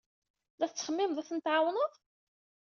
La tettxemmimeḍ ad ten-tɛawneḍ?